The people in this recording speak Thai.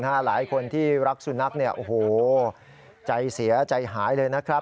หลายคนที่รักสุนัขเนี่ยโอ้โหใจเสียใจหายเลยนะครับ